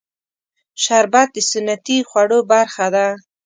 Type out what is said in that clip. شربت د سنتي خوړو برخه ده